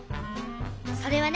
それはね